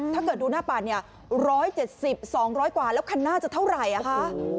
ถ้าเกิดดูหน้าปั่นเนี่ย๑๗๐๒๐๐กว่าแล้วคันหน้าจะเท่าไหร่อ่ะคะ